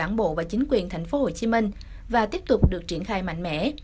đảng bộ và chính quyền tp hcm và tiếp tục được triển khai mạnh mẽ